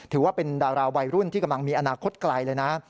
ถือว่าเป็นดาราวัยรุ่นที่กำลังมีอนาคตไกลเลยนะ